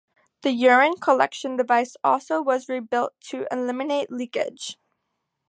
The urine collection device also was rebuilt to eliminate leakage.